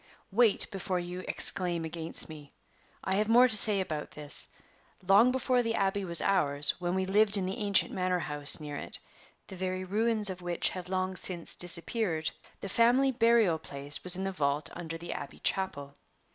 Wait before you exclaim against me. I have more to say about this. Long before the Abbey was ours, when we lived in the ancient manor house near it (the very ruins of which have long since disappeared), the family burying place was in the vault under the Abbey chapel.